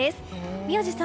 宮司さん